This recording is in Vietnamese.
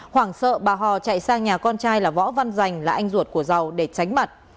hoảng sợ bà hò chạy sang nhà con trai là võ văn dành là anh ruột của giàu để tránh mặt